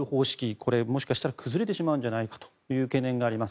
これ、もしかしたら崩れてしまうんじゃないかという懸念があります。